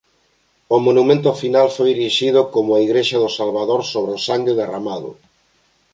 O monumento final foi erixido como a Igrexa do Salvador sobre o sangue derramado.